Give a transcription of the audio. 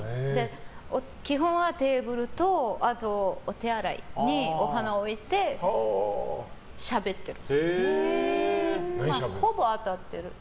基本はテーブルとお手洗いにお花を置いてしゃべってる。